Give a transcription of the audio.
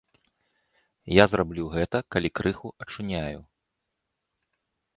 Я зраблю гэта, калі крыху ачуняю.